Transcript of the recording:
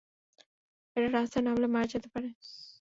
এটা রাস্তায় নামলে মারা যেতে পারে।